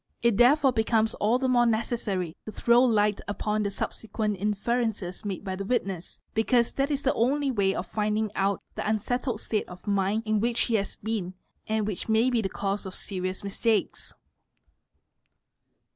It therefore becomes all the more necessary to throw light ~ upon the subsequent inferences made by the witness, because that is the _ only way of finding out the unsettled state of mind in which he has been _ and which may be the cause of serious mistakes.